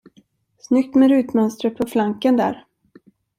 Snyggt med rutmönstret på flanken där.